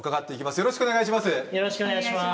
よろしくお願いします